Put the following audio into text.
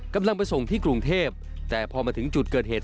กำลังไปส่งที่กรุงเทพแต่พอมาถึงจุดเกิดเหตุ